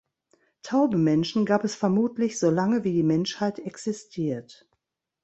Taube Menschen gab es vermutlich so lange wie die Menschheit existiert.